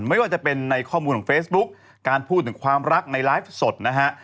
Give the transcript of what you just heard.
ไม่ว่าจะเป็นในข้อมูลของเฟซบุ๊คการพูดถึงความรักในไลฟ์สดนะฮะ